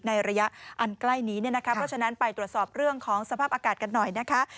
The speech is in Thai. ในระยะอันใกล้นี้เนี่ยนะคะเพราะฉะนั้นไปตรวจสอบเรื่องของสภาพอากาศกันหน่อยนะคะ